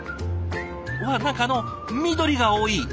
うわっ何かあの緑が多い。